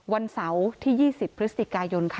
วันเสาร์ที่๒๐พฤศจิกายนค่ะ